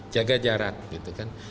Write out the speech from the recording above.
jaga jarak gitu kan